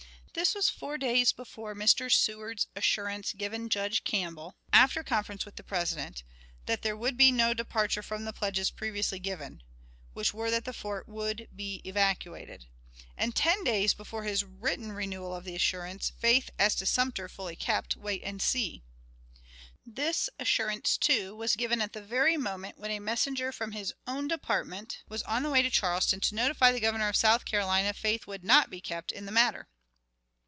This was four days before Mr. Seward's assurance given Judge Campbell after conference with the President that there would be no departure from the pledges previously given (which were that the fort would be evacuated), and ten days before his written renewal of the assurance "Faith as to Sumter fully kept. Wait and see!" This assurance, too, was given at the very moment when a messenger from his own department was on the way to Charleston to notify the Governor of South Carolina that faith would not be kept in the matter.